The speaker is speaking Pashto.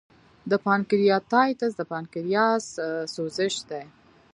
د پانکریاتایټس د پانکریاس سوزش دی.